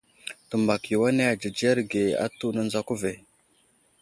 Təmbak yo ane adzədzerge atu, nənzako ve.